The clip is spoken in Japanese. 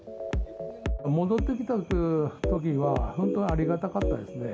戻ってきたときには、本当、ありがたかったですね。